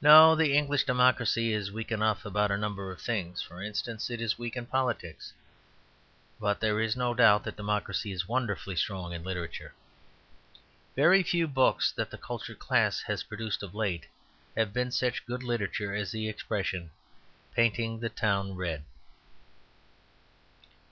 No; the English democracy is weak enough about a number of things; for instance, it is weak in politics. But there is no doubt that democracy is wonderfully strong in literature. Very few books that the cultured class has produced of late have been such good literature as the expression "painting the town red."